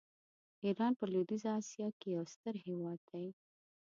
ایران په لویدیځه آسیا کې یو ستر هېواد دی.